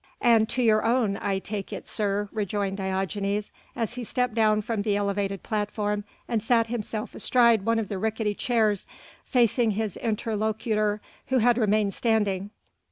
"And to your own, I take it, sir," rejoined Diogenes, as he stepped down from the elevated platform and sat himself astride one of the ricketty chairs facing his interlocutor who had remained standing.